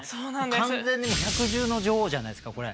完全にもう百獣の女王じゃないですかこれ。